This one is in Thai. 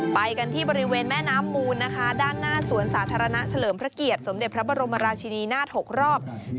ไปกันที่บริเวณแม่น้ำมูลนะคะด้านหน้าสวนสาธารณะเฉลิมพระเกียรติสมเด็จพระบรมราชินีนาฏ๖รอบ